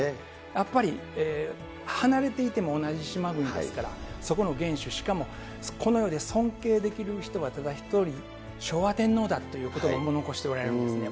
やっぱり離れていても同じ島国ですから、そこの元首、しかも、この世で尊敬できる人はただ一人、昭和天皇だということばも残しておられるんですよね。